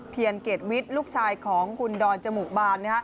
เกรดวิทย์ลูกชายของคุณดอนจมูกบาน